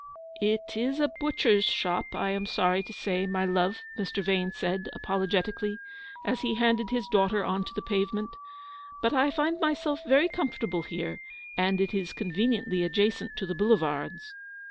" It is a butcher's shop, I am sorry to say, my love," Mr. Vane said, apologetically, as he handed his daughter on to the pavement; "but I find myself very comfortable here, and it is conve niently adjacent to the Boulevards."